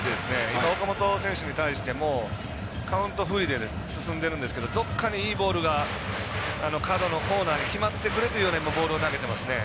今、岡本選手に対してもカウント不利で進んでるんですがどこかでいいボールがコーナーに決まってくれというボールを投げてますね。